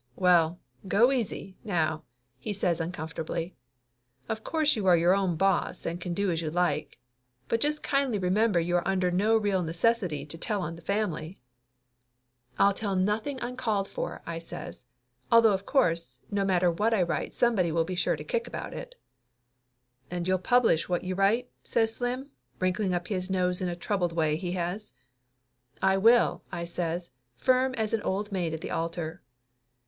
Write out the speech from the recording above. "Well, go easy, now!" he says uncomfortably. "Of course you are your own boss and can do as you like, but just kindly remember you are under no real neces sity to tell on the family." "I'll tell nothing uncalled for," I says. "Although, of course, no matter what I write somebody will be sure to kick about it." "And you'll publish what you write?" says Slim, wrinkling up his nose in a troubled way he has. "I will," I says, firm as an old maid at the altar.